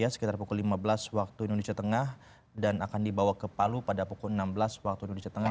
sekitar pukul lima belas waktu indonesia tengah dan akan dibawa ke palu pada pukul enam belas waktu indonesia tengah